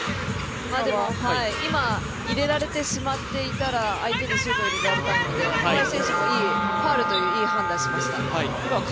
今、入れられてしまっていたら、相手にシュートを入れられていたので川井選手も、ファウルといういい判断をしました。